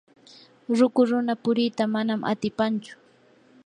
ruku runa purita manam atipanchu.